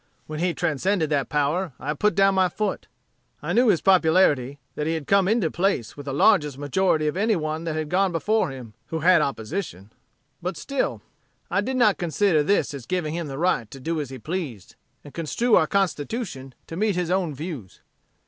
When he transcended that power, I put down my foot. I knew his popularity; that he had come into place with the largest majority of any one that had gone before him, who had opposition: but still, I did not consider this as giving him the right to do as he pleased, and construe our Constitution to meet his own views.